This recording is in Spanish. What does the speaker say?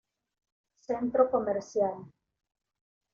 Centro comercial.